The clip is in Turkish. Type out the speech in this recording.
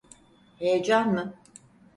Heyecan mı?